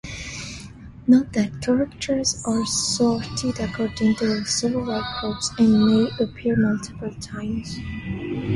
Note that characters are sorted according to several groups, and may appear multiple times.